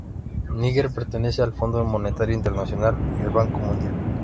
Níger pertenece al Fondo Monetario Internacional y al Banco Mundial.